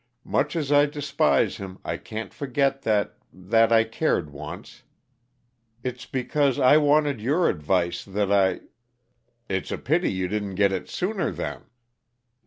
Much as I despise him, I can't forget that that I cared once. It's because I wanted your advice that I " "It's a pity you didn't get it sooner, then!